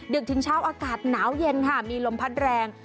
ถึงเช้าอากาศหนาวเย็นค่ะมีลมพัดแรง